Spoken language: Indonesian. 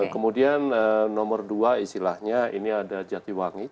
kemudian nomor dua istilahnya ini ada jatiwangi